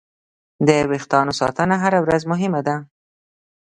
د وېښتیانو ساتنه هره ورځ مهمه ده.